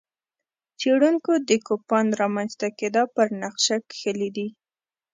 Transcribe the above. څېړونکو د کوپان رامنځته کېدا پر نقشه کښلي دي.